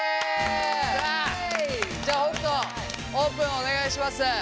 じゃあ北斗オープンお願いします。